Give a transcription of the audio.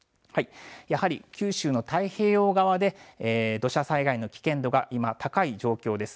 やはり九州の太平洋側で土砂災害の危険度が今、高い状況です。